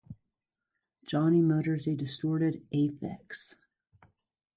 Johnny mutters a distorted "Aphex".